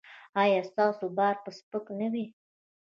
ایا ستاسو بار به سپک نه وي؟